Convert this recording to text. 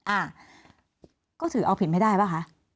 อ่าก็ถือเอาผิดไม่ได้ป่ะคะ